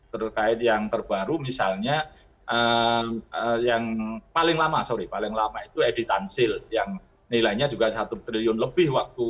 terkait yang terbaru misalnya yang paling lama sorry paling lama itu edi tansil yang nilainya juga satu triliun lebih waktu